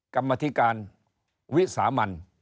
กรรมธิการวิสามัน